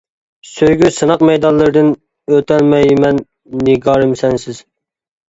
سۆيگۈ سىناق مەيدانلىرىدىن، ئۆتەلمەيمەن نىگارىم سەنسىز.